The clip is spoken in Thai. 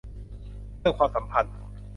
เรื่องความสัมพันธ์